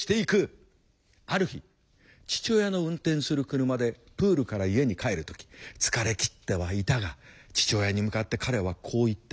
ある日父親の運転する車でプールから家に帰る時疲れきってはいたが父親に向かって彼はこう言った。